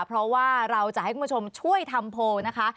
เพราะว่าเราจะให้คุณผู้ชมช่วยทำโพลนะคะ